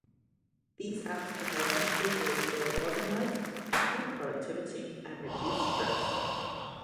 These apps can help individuals stay organized, improve productivity, and reduce stress.